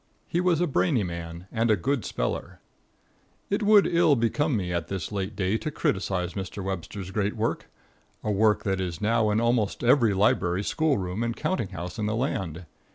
He was a brainy man and a good speller. It would ill become me at this late day to criticise Mr. Webster's great work a work that is now in almost every library, school room and counting house in the land.